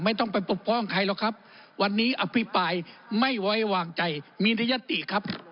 ไม่ต้องไปปกป้องใครหรอกครับวันนี้อภิปรายไม่ไว้วางใจมีในยติครับ